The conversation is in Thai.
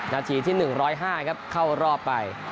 นาทีที่๑๐๕ครับเข้ารอบไป